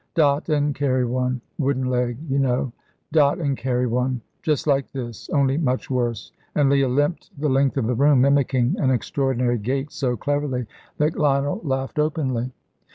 Dot and carry one wooden leg, you know; dot and carry one just like this only much worse"; and Leah limped the length of the room, mimicking an extraordinary gait so cleverly that Lionel laughed openly.